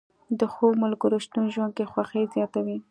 د ښو ملګرو شتون ژوند کې خوښي زیاتوي